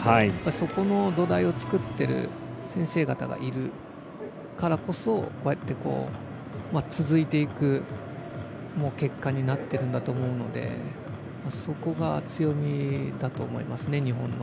そこの土台を作ってる先生方がいるからこそこうやって続いていく結果になってるんだと思うのでそこが、強みだと思いますね日本の。